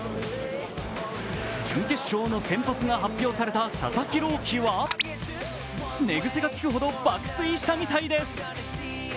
準決勝の先発が発表された佐々木朗希は、寝癖がつくほど爆睡したみたいです。